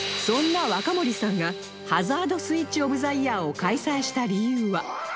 そんな和歌森さんがハザードスイッチ・オブ・ザ・イヤーを開催した理由は？